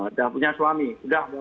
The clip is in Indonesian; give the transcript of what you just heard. udah punya suami udah